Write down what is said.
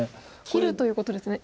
切るということですね。